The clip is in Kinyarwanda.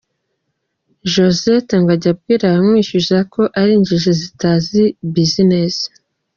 Josette ngo ajya abwira abamwishyuza ko ari injiji zitazi business